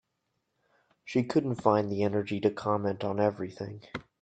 She couldn’t find the energy to comment on everything.